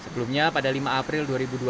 sebelumnya pada lima april dua ribu dua puluh